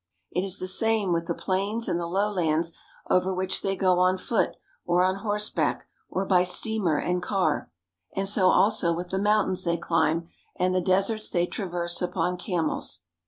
It is the same with the 7 Ai f\Kf>*^ 8 PREFACE plains and the lowlands over which they go on foot or on horseback, or by steamer and car, and so also with the mountains they cHmb and the deserts they traverse upon camels.